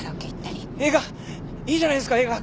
いいじゃないですか映画。